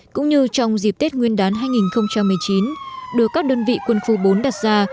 cũng như trong dịp tết nguyên đán hai nghìn một mươi chín được các đơn vị quân khu bốn đặt ra